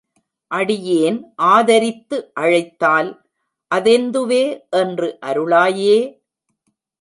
அடியேன் ஆதரித்து அழைத்தால் அதெந்துவே என்று அருளாயே!